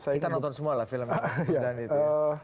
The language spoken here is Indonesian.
kita nonton semua lah filmnya